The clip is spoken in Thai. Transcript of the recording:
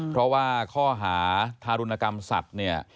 เพราะว่าข้อหาทารุณกรรมสัตว์เนี่ย